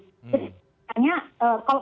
jadi sebenarnya kalau